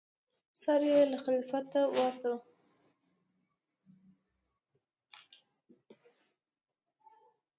سر یې خلیفه ته واستاوه.